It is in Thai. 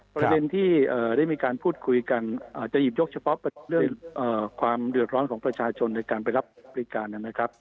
ประเด็นที่ได้มีการพูดคุยกันอาจจะหยิบยกเฉพาะเรื่องความเดือดร้อนของประชาชนในการไปรับบริการนะครับ